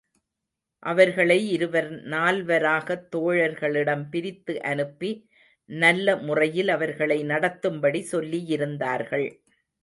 அவர்களை இருவர் நால்வராகத் தோழர்களிடம் பிரித்து அனுப்பி, நல்ல முறையில் அவர்களை நடத்தும்படி சொல்லியிருந்தார்கள்.